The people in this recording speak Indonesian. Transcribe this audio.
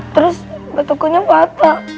terus batakonya patah